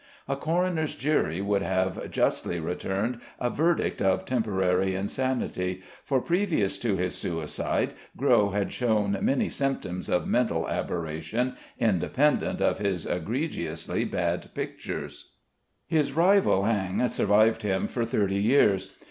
A coroner's jury would have justly returned a verdict of temporary insanity, for previous to his suicide Gros had shown many symptoms of mental aberration independent of his egregiously bad pictures. His rival Ingres survived him for thirty years.